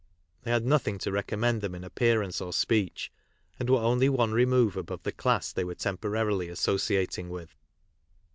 They had nothing to recommend them in appearance or speech, and were only one remove above the class they were temporarily associatin/r with.